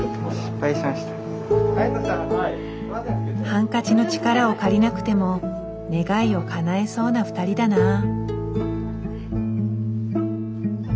ハンカチの力を借りなくても願いをかなえそうな２人だなぁ。